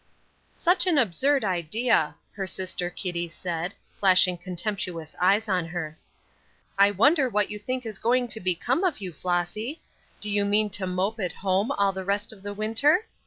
"Such an absurd idea!" her sister Kitty said, flashing contemptuous eyes on her. "I wonder what you think is going to become of you, Flossy? Do you mean to mope at home all the rest of the winter?